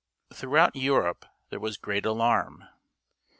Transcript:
Throughout Europe there was great alarm.